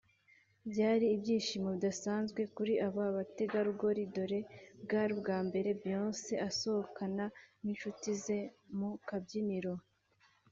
Byari ibyishimo bidasanzwe kuri aba bategarugori dore bwari ubwa mbere Beyonce asohokana n’inshuti ze mu kabyiniro